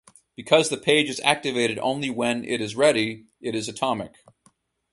Because the page is "activated" only when it is ready, it is atomic.